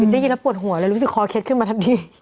ได้ยินแล้วปวดหัวเลยรู้สึกคอเคล็ดขึ้นมาทันที